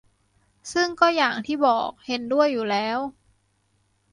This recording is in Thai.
ซึ่งก็อย่างที่บอก เห็นด้วยอยู่แล้ว